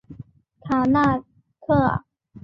卡那刻。